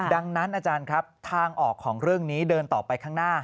ดังนั้นอาจารย์ครับทางออกของเรื่องนี้เดินต่อไปข้างหน้า